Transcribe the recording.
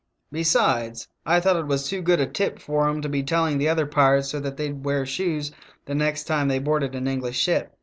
Besides, I thought it was too good a tip for 'em to be telling the other pirates so that they'd wear shoes the next time they boarded an English ship."